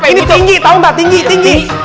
ini tinggi tahu nggak tinggi tinggi tinggi